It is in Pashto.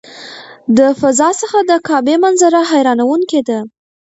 د فضا څخه د کعبې منظره حیرانوونکې ده.